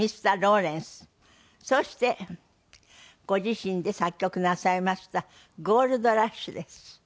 そしてご自身で作曲なさいました『ＧＯＬＤＲＵＳＨ』です。